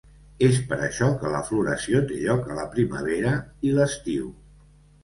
És per això que la floració té lloc a la primavera i l'estiu.